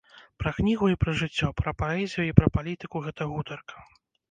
Пра кнігу і пра жыццё, пра паэзію і палітыку гэта гутарка.